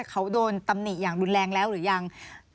เขาโดนตำหนิอย่างรุนแรงแล้วหรือยัง